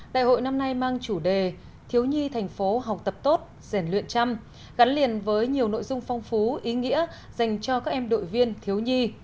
đại hội năm nay mang chủ đề thiếu nhi thành phố học tập tốt giản luyện trăm gắn liền với nhiều nội dung phong phú ý nghĩa dành cho các em đội viên thiếu nhi